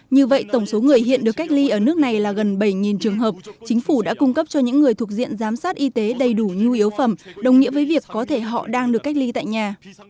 như vậy tổng số người hiện được cách ly ở nước này là gần bảy trường hợp chính phủ đã cung cấp cho những người thuộc diện giám sát y tế đầy đủ nhu yếu phẩm đồng nghĩa với việc có thể họ đang được cách ly tại nhà